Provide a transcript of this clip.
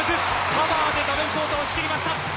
パワーでダベンポートを押し切りました。